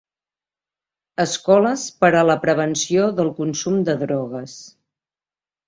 Escoles per a la prevenció del consum de drogues.